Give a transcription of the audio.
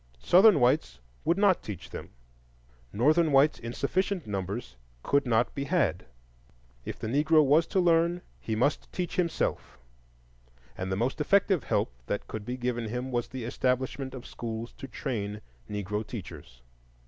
Southern whites would not teach them; Northern whites in sufficient numbers could not be had. If the Negro was to learn, he must teach himself, and the most effective help that could be given him was the establishment of schools to train Negro teachers.